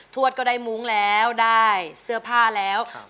วดก็ได้มุ้งแล้วได้เสื้อผ้าแล้ว